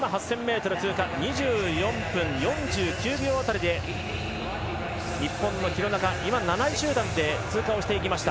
２４分４９秒辺りで日本の廣中今、７位集団で通過していきました。